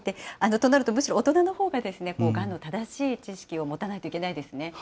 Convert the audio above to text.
となるとむしろ大人のほうががんの正しい知識を持たないといけないですね。